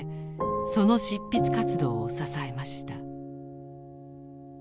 その執筆活動を支えました。